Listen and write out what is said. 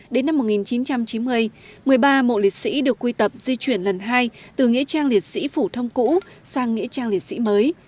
đến năm một nghìn chín trăm chín mươi một mươi ba mộ liệt sĩ được quy tập di chuyển lần hai từ nghĩa trang liệt sĩ phủ thông cũ sang nghĩa trang liệt sĩ mới